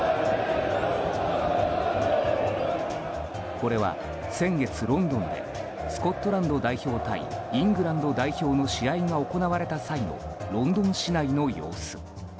これは先月ロンドンでスコットランド代表対イングランド代表の試合が行われた際のロンドン市内の様子。